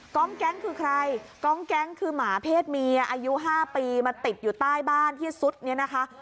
แก๊งคือใครกองแก๊งคือหมาเพศเมียอายุ๕ปีมาติดอยู่ใต้บ้านที่ซุดเนี่ยนะคะ